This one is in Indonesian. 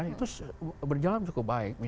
itu berjalan cukup baik